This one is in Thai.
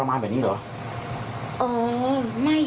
อาการชัดเลยนะคะหมอปลา